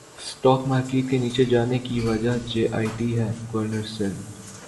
stock market کے نیچے جانے کی وجہ جے ائی ٹی ہے گورنر سندھ